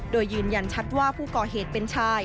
โดยยืนยันชัดว่าผู้ก่อเหตุเป็นชาย